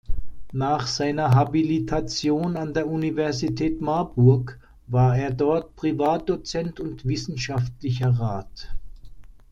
Nach seiner Habilitation an der Universität Marburg war er dort Privatdozent und Wissenschaftlicher Rat.